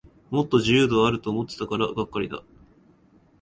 もっと自由度あると思ってたからがっかりだ